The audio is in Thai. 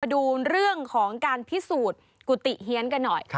ดูเรื่องของการพิสูจน์กุฏิเฮียนกันหน่อย